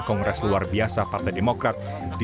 kongres luar biasa partai demokrat